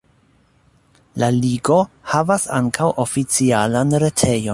La ligo havas ankaŭ oficialan retejon.